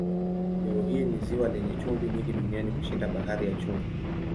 Leo hii ni ziwa lenye chumvi nyingi duniani kushinda Bahari ya Chumvi.